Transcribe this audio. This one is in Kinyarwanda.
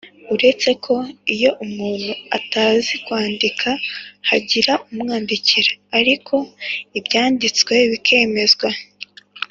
uretse ko iyo umuntu atazi kwandika hagira umwandikira, ariko ibyanditswe bikemezwa